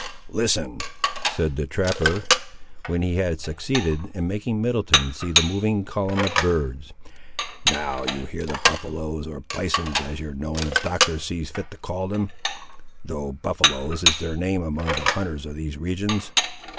"Listen," said the trapper, when he had succeeded in making Middleton see the moving column of birds. "Now you hear the buffaloes, or bisons, as your knowing Doctor sees fit to call them, though buffaloes is their name among all the hunters of these regions.